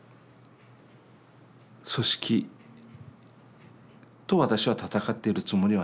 組織と私は闘ってるつもりはない。